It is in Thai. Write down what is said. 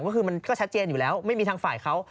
ก็คือมันก็ชัดเจนอยู่แล้วไม่มีทางฝ่ายเขา